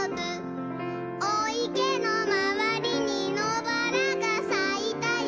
「おいけのまわりにのばらがさいたよ」